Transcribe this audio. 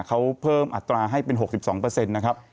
เขาเพิ่มอัตราให้เป็น๖๒นะครับ